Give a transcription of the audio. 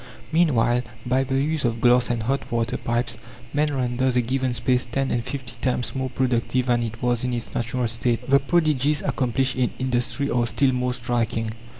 Meanwhile, by the use of glass and hot water pipes, man renders a given space ten and fifty times more productive than it was in its natural state. The prodigies accomplished in industry are still more striking.